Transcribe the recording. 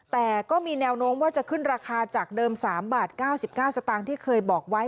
แต่ก็มีแนวโน้มว่าจะขึ้นราคาจากเดิม๓บาท๙๙สตางค์ที่เคยบอกไว้